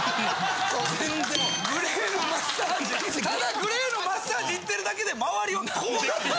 ただグレーのマッサージ行ってるだけで周りはこうなって。